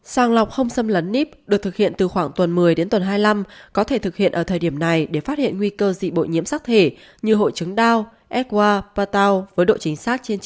sàng lọc không xâm lấn nep được thực hiện từ khoảng tuần một mươi đến tuần hai mươi năm có thể thực hiện ở thời điểm này để phát hiện nguy cơ dị bội nhiễm sắc thể như hội chứng đao swa patao với độ chính xác trên chín mươi